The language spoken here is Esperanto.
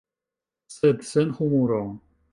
Sed sen humuro.